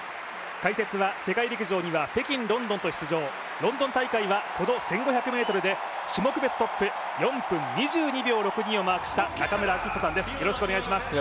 解説は世界陸上には北京、ロンドンと出場、ロンドン大会はこの１５００ｍで種目別トップ、４分２２秒６２をマークしました中村明彦さんです。